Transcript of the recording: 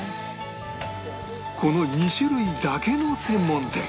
この２種類だけの専門店